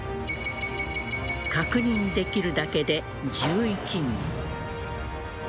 確認できるだけで１１人。